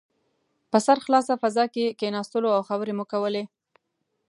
په سرخلاصه فضا کې کښېناستو او خبرې مو کولې.